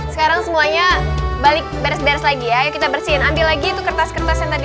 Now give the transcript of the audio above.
sekarang semuanya balik beres beres lagi ayo kita bersihin ambil lagi itu kertas kertas yang tadi